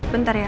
bentar ya aku